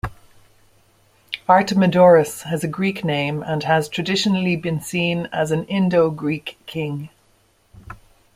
Artemidoros has a Greek name and has traditionally been seen as an Indo-Greek king.